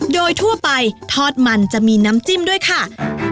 โดยทั่วไปทอดมันจะมีน้ำจิ้มด้วยค่ะ